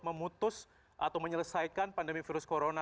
memutus atau menyelesaikan pandemi virus corona